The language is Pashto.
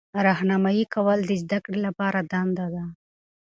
راهنمایي کول د زده کړې لپاره دنده ده.